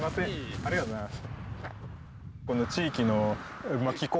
ありがとうございます。